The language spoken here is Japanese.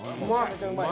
うまい。